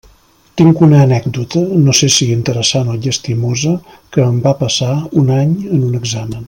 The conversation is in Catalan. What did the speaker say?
Tinc una anècdota, no sé si interessant o llastimosa, que em va passar un any en un examen.